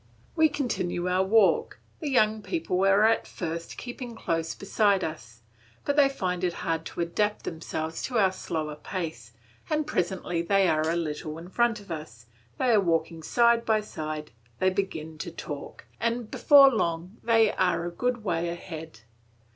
We continue our walk, the young people at first keeping close beside us; but they find it hard to adapt themselves to our slower pace, and presently they are a little in front of us, they are walking side by side, they begin to talk, and before long they are a good way ahead.